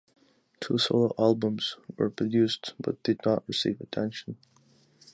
Two solo albums were produced, but did not receive attention.